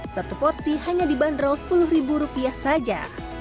satu porsi hanya dibanderol sepuluh ribu rupiah saja